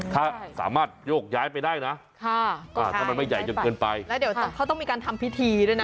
ถ้าสามารถโยกย้ายไปได้นะถ้ามันไม่ใหญ่จนเกินไปแล้วเดี๋ยวเขาต้องมีการทำพิธีด้วยนะ